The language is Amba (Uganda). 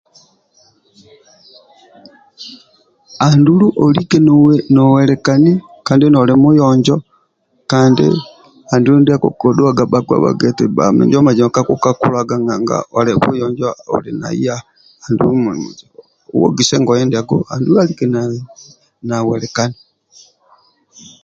Andulu olike nowelikani kandi noli muyonjo kandi andulu ndia akuku dhuaga bhakpa bhagia eti bba minjo mazima kakukakulaga nanga oli muyonjo oli naiya andulu andulul ogise ngoye ndiako andulu alike nawelikani